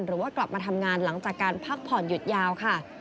หรือว่ากลับมาทำงานหลังจากการพักผ่อนหยุดยาวค่ะ